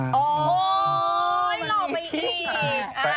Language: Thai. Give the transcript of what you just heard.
ไอ้หนอไม่อาย